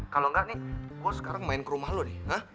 kalau nggak nih gue sekarang main ke rumah lo nih